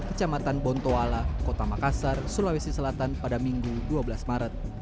kecamatan bontoala kota makassar sulawesi selatan pada minggu dua belas maret